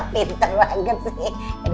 pintar banget sih